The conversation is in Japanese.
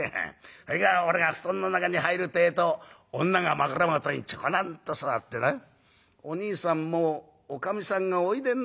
「それから俺が布団の中に入るてえと女が枕元にちょこなんと座ってな『おにいさんもうおかみさんがおいでになるんでしょうね？』